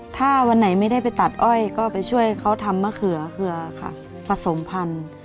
ถ้าวันไหนไม่ได้ไปตัดอ้อยก็ไปช่วยเขาทำมะเขือเผื่อค่ะผสมพันธุ์